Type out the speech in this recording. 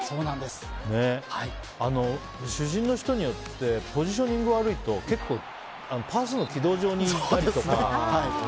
主審の人によってポジショニング悪いと結構パスの軌道上にいたりとか。